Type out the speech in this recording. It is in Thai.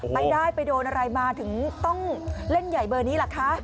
ไปได้ไปโดนอะไรมาถึงต้องเล่นใหญ่เบอร์นี้ล่ะคะ